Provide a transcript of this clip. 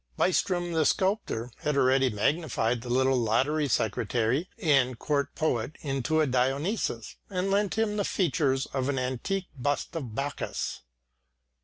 Bystrom, the sculptor, had already magnified the little lottery secretary and court poet into a Dionysus and lent him the features of an antique bust of Bacchus.